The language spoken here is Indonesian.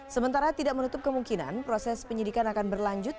sementara tidak menutup kemungkinan proses penyidikan akan berlanjut